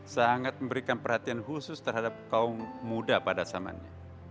sangat memberikan perhatian khusus terhadap kaum muda pada zamannya